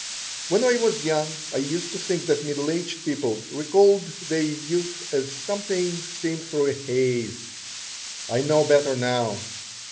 When I was young I used to think that middle aged people recalled their youth as something seen through a haze. I know better now.